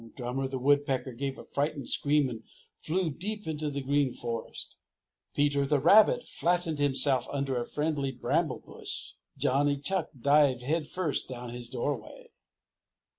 Drummer the Woodpecker gave a frightened scream and flew deep into the Green Forest. Peter Rabbit flattened himself under a friendly bramble bush. Johnny Chuck dived headfirst down his doorway.